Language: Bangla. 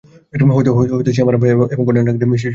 হয়তো সে আমার আব্বা এবং কর্নেল আঙ্কেল কে মেরেছে, বা না।